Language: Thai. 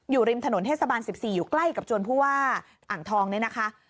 อยู่ริมถนนเทศบาล๑๔อยู่ใกล้กับจวนผู้ว่าอ่างทองเนี่ยนะคะ